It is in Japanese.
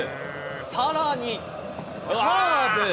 さらに、カーブ。